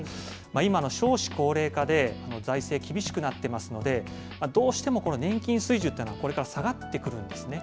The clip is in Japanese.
今の少子高齢化で、財政、厳しくなってますので、どうしても年金水準というのはこれから下がってくるんですね。